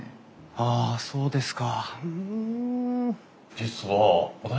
あっそうですか。